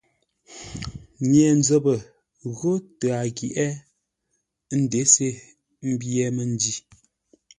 Nye-nzəpə ghó tə a ghyeʼé ə́ nděse ḿbyé məndǐ.